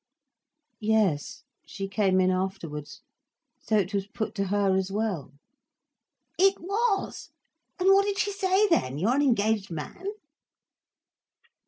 "Yes. She came in afterwards. So it was put to her as well." "It was! And what did she say then? You're an engaged man?"